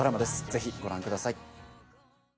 是非ご覧ください。